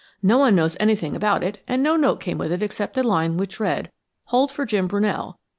No one knows anything about it and no note came with it except a line which read: 'Hold for Jim Brunell.